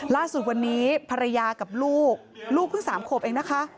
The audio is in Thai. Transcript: ล่าสุดวันนี้ภรรยากับลูกลูกเพิ่ง๓ขวบเองนะคะ